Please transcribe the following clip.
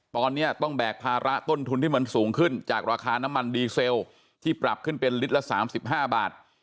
ตอนนี้ต้องแบกภาระต้นทุนที่มันสูงขึ้นจากราคาน้ำมันดีเซลที่ปรับขึ้นเป็นลิตรละ๓๕บาท